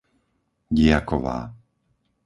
Diaková